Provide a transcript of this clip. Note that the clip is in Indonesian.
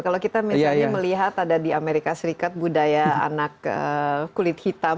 kalau kita misalnya melihat ada di amerika serikat budaya anak kulit hitam